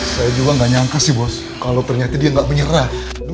saya juga gak nyangka sih bos kalo ternyata dia gak menyerah